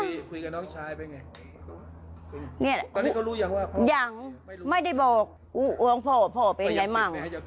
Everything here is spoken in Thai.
ตอนนี้เขารู้ยังว่าพ่อไม่รู้ยังไม่ได้บอกว่าพ่อเป็นยังไงบ้าง